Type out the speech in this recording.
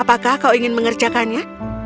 apakah kau ingin mengerjakannya